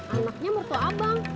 anaknya mertua abang